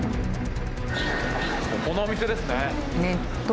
ここのお店ですね。